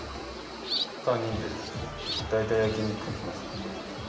３人で大体焼き肉行きますね。